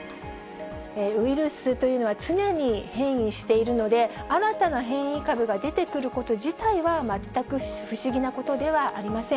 ウイルスというのは、常に変異しているので、新たな変異株が出てくること自体は、全く不思議なことではありません。